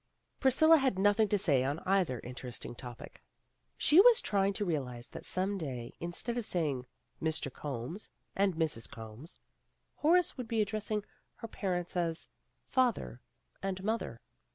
Priscilla had nothing to say on either interesting topic. 94 PEGGY RAYMOND'S WAY She was trying to realize that some day, in stead of saying "Mr. Combs" and "Mrs. Combs, " Horace would be addressing her parents as "father" and "mother."